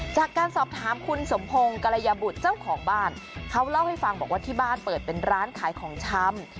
จากการสอบถามคุณสมพงศ์กรยาบุตรเจ้าของบ้านเขาเล่าให้ฟังบอกว่าที่บ้านเปิดเป็นร้านขายของชำ